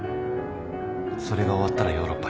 それが終わったらヨーロッパに。